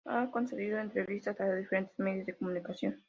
Ha concedido entrevistas a diferentes medios de comunicación.